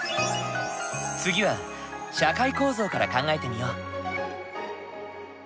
次は社会構造から考えてみよう。